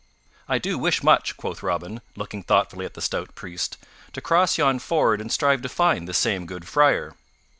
"I do wish much," quoth Robin, looking thoughtfully at the stout priest, "to cross yon ford and strive to find this same good Friar."